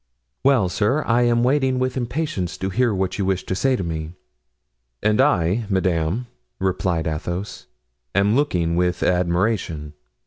"Well, sir, I am waiting with impatience to hear what you wish to say to me." "And I, madame," replied Athos, "am looking with admiration."